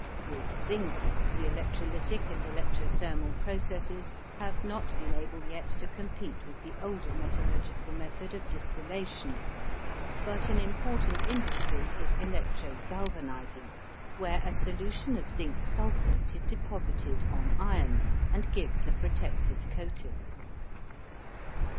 With zinc the electrolytic and electro thermal processes have not been able yet to compete with the older metallurgical method of distillation, but an important industry is electro galvanizing, where a solution of zinc sulphate is deposited on iron and gives a protective coating.